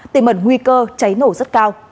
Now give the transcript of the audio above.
tỉ mật nguy cơ cháy nổ rất cao